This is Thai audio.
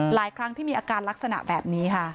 หลายครั้งที่มีอาการลักษณะแบบนี้ค่ะ